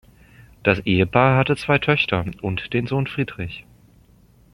Das Ehepaar hatte zwei Töchter und den Sohn Friedrich.